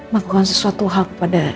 melakukan sesuatu hak kepada